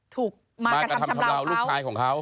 ถูกมากระทำชำราวลูกชายของเขา